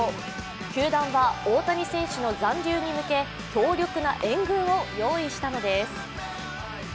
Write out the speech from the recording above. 球団は大谷選手の残留に向け、強力な援軍を用意したのです。